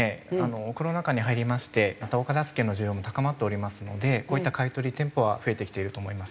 コロナ禍に入りましてまたお片付けの需要も高まっておりますのでこういった買い取り店舗は増えてきていると思います。